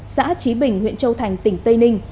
xã trí bình huyện châu thành tỉnh tây ninh